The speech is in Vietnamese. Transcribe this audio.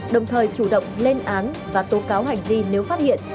đồng thời chủ động lên án và tố cáo hành vi nếu phát hiện